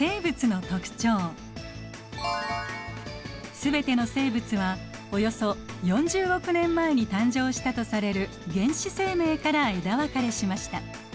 全ての生物はおよそ４０億年前に誕生したとされる原始生命から枝分かれしました。